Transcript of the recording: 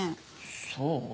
そう？